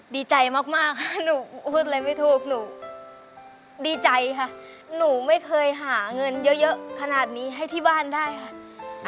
ดีใจมากค่ะหนูพูดอะไรไม่ถูกหนูดีใจค่ะหนูไม่เคยหาเงินเยอะขนาดนี้ให้ที่บ้านได้ค่ะ